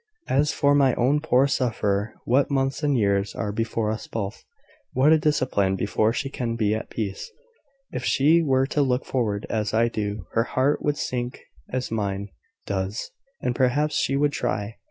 As for my own poor sufferer what months and years are before us both! What a discipline before she can be at peace! If she were to look forward as I do, her heart would sink as mine does, and perhaps she would try...